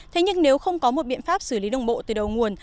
thế nhưng nếu không có một biện pháp xử lý đồng bộ từ đầu nguồn